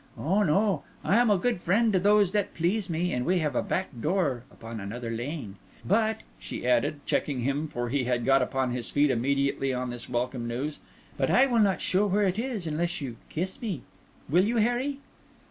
Oh, no, I am a good friend to those that please me! and we have a back door upon another lane. But," she added, checking him, for he had got upon his feet immediately on this welcome news, "but I will not show where it is unless you kiss me. Will you, Harry?"